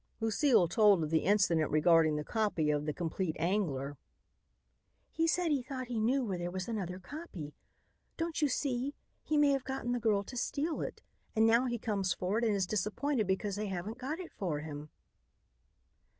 Lucile told of the incident regarding the copy of "The Compleat Angler." "He said he thought he knew where there was another copy. Don't you see, he may have gotten the girl to steal it. And now he comes for it and is disappointed because they haven't got it for him."